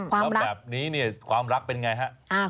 แล้วแบบนี้ความรักเป็นอย่างไร